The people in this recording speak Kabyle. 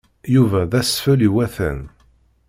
Yuba d asfel iwatan.